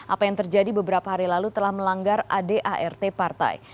apa yang terjadi beberapa hari lalu telah melanggar adart partai